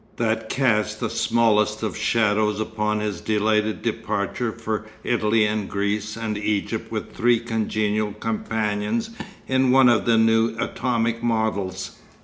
That cast the smallest of shadows upon his delighted departure for Italy and Greece and Egypt with three congenial companions in one of the new atomic models.